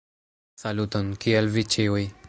Saluton, Kiel vi ĉiuj?